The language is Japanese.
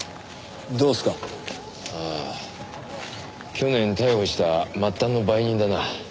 去年逮捕した末端の売人だな。